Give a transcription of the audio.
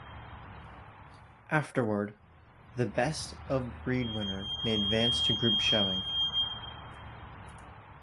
Afterward, the Best of Breed winner may advance to group showing.